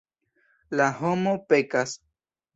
La homo pekas.